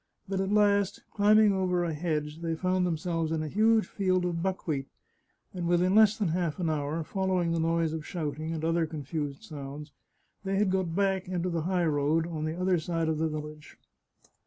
But at last, climbing over a hedge, they found themselves in a huge field of buckwheat, and within less than half an hour, following the noise of shouting and other confused sounds, they had got back into the high road on the other side of the village.